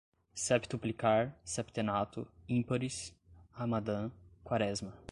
septuplicar, septenato, ímpares, Ramadã, quaresma